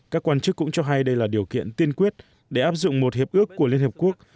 các quan chức cũng cho hay đây là điều kiện tiên quyết để áp dụng một hiệp ước của liên hợp quốc